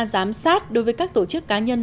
giám sát đối với các tổ chức cá nhân